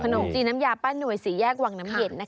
น้ำยาปลานู่ยสี่แยกวังน้ำเหน็นครับ